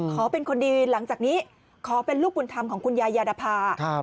ขอเป็นคนดีหลังจากนี้ขอเป็นลูกบุญธรรมของคุณยายยาดภา